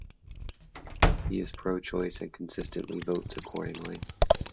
He is pro-choice, and consistently votes accordingly.